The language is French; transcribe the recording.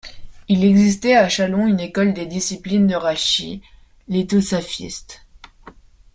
Il existait à Châlons une école des disciples de Rachi, les Tossafistes.